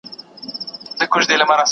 ¬ بډاى ئې له خواره گټي، خوار ئې له بډايه.